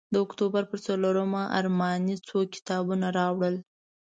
د اکتوبر پر څلورمه ارماني څو کتابه راوړل.